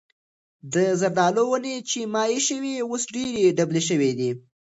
د زردالو ونې چې ما ایښې وې اوس ډېرې ډبلې شوې دي.